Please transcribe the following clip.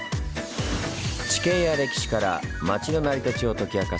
地形や歴史から町の成り立ちを解き明かす